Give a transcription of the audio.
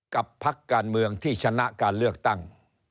พักการเมืองที่ชนะการเลือกตั้ง